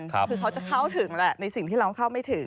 คือเขาจะเข้าถึงแหละในสิ่งที่เราเข้าไม่ถึง